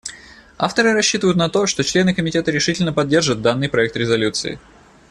Авторы рассчитывают на то, что члены Комитета решительно поддержат данный проект резолюции.